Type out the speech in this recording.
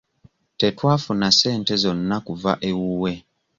Tetwafuna ssente zonna kuva ewuwe.